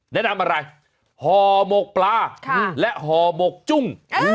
แนะนำอะไรห่อหมกปลาและห่อหมกจุ้ง